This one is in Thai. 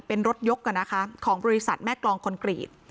เป็นรถยกของบริษัทแม่กรองคอนกรีต